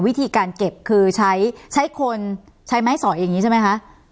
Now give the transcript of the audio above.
วิธีการเก็บคือใช้ใช้คนใช้ไม้สอยอย่างนี้ใช่ไหมคะ